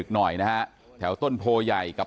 ฐานพระพุทธรูปทองคำ